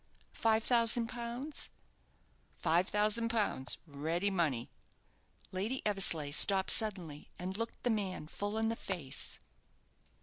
"Five thousand pounds?" "Five thousand pounds, ready money." Lady Eversleigh stopped suddenly, and looked the man full in the face.